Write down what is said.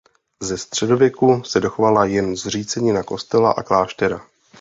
Ze středověku se dochovala jen zřícenina kostela a kláštera.